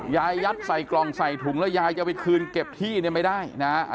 ยัดใส่กล่องใส่ถุงแล้วยายจะไปคืนเก็บที่เนี่ยไม่ได้นะฮะ